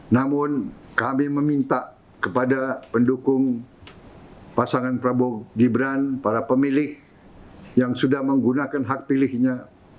namun kami meminta kepada pendukung pasangan prabowo gibran para pemilih yang sudah menggunakan hak pilihnya